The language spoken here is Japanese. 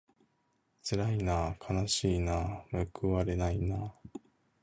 つらいなあかなしいなあむくわれないなあ